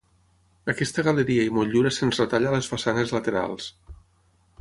Aquesta galeria i motllura se'ns retalla a les façanes laterals.